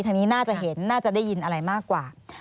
ทางนี้น่าจะเห็นน่าจะได้ยินอะไรมากกว่า